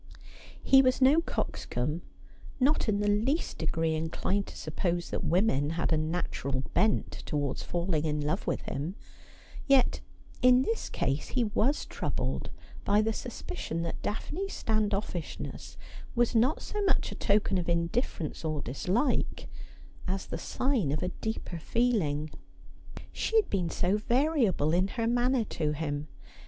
He was no coxcomb, not in the least degree inclined to sup pose that women had a natural bent towards falling in love with him : yet in this case he was troubled by the suspicion that Daphne's stand offishness was not so much a token of indiffer ence or dislike, as the sign of a deeper feeling. She had been so variable in her manner to him.